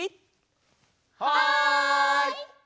はい！